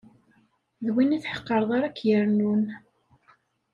D win i tḥeqreḍ ara k-yernun.